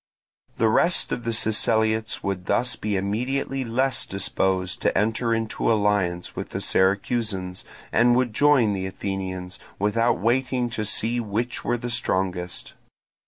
The rest of the Siceliots would thus be immediately less disposed to enter into alliance with the Syracusans, and would join the Athenians, without waiting to see which were the strongest.